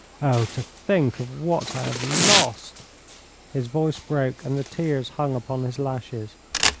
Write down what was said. Oh! to think of what I have lost!' his voice broke, and the tears hung upon his lashes.